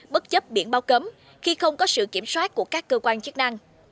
bất chấp biển bao cấm khi không có sự kiểm soát của các cơ quan chức năng